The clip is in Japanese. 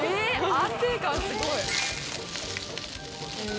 安定感すごい。